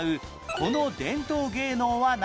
この伝統芸能は何？